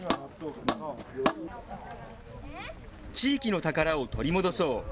地域の宝を取り戻そう。